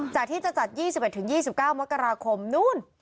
ที่จะจัด๒๑๒๙มกราคมนู้น